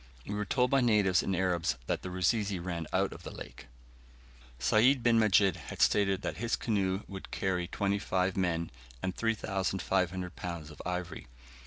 We were told by natives and Arabs that the Rusizi ran out of the lake. Sayd bin Majid had stated that his canoe would carry twenty five men, and 3,500 lbs. of ivory.